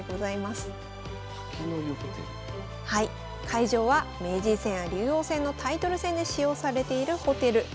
会場は名人戦や竜王戦のタイトル戦で使用されているホテル。